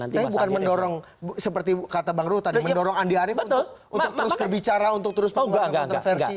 tapi bukan mendorong seperti kata bang ruh tadi mendorong andi arief untuk terus berbicara untuk terus mengkontroversi